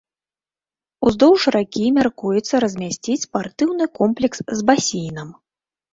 Уздоўж ракі мяркуецца размясціць спартыўны комплекс з басейнам.